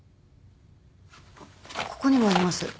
ここにもあります。